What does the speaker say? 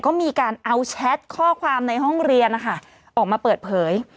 ก็มีการเอาแชทข้อความในห้องเรียนนะคะออกมาเปิดเผย